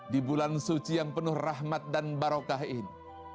di bulan suci yang penuh rahmat dan barokah ini